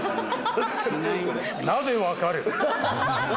なぜ分かる。